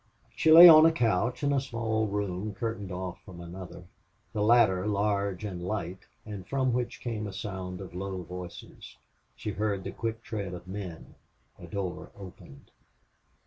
She lay on a couch in a small room curtained off from another, the latter large and light, and from which came a sound of low voices. She heard the quick tread of men; a door opened.